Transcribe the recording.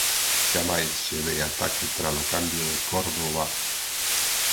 Xamais se ve ataque tralo cambio de cor do bago.